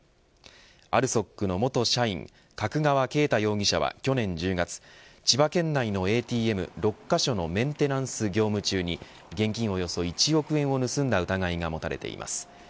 ＡＬＳＯＫの元社員角川恵太容疑者は去年１０月千葉県内のＡＴＭ６カ所のメンテナンス業務中に現金およそ１億円を盗んだ疑いが持たれています。